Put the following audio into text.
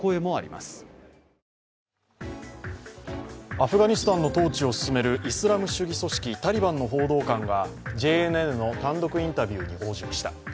アフガニスタンの統治を進めるイスラム主義組織タリバンの報道官がＪＮＮの単独インタビューに応じました。